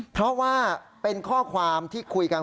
เพราะว่าเป็นข้อความที่คุยกัน